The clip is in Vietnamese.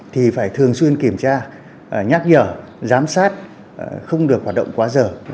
thì phải thường xuyên kiểm tra nhắc nhở giám sát không được hoạt động quá giờ